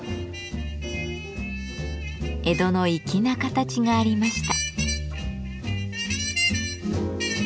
江戸の粋な形がありました。